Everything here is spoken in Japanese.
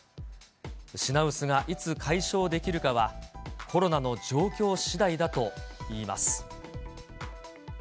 品薄がいつ解消できるかは、コロナの状況しだいだといいます。